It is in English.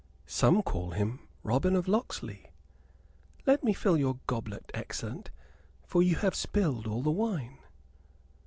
Some call him Robin of Locksley. Let me fill your goblet, excellence, for you have spilled all the wine."